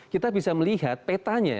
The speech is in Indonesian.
kita bisa melihat petanya